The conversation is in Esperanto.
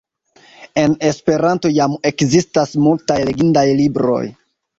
En Esperanto jam ekzistas multaj legindaj libroj.